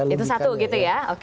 itu satu gitu ya